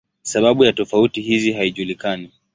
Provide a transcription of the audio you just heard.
Sababu ya tofauti hizi haijulikani.